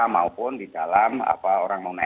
maupun di dalam orang mengenai